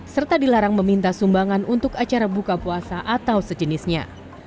serta dilarang meminta sumbangan untuk acara buka puasa atau sejenisnya